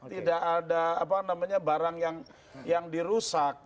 tidak ada barang yang dirusak